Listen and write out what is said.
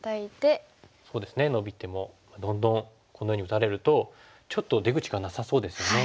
そうですねノビてもどんどんこのように打たれるとちょっと出口がなさそうですよね。